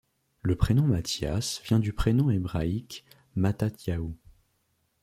Le prénom Mathias vient du prénom hébraïque Mattatyahu.